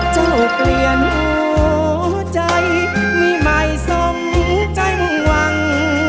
เปลี่ยนหัวใจมีใหม่สมใจมุ่งหวัง